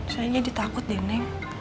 saya jadi takut deh neng